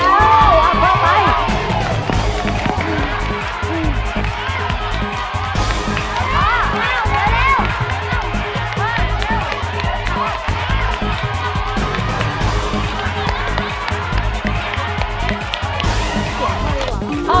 อ้าวเหลือแล้ว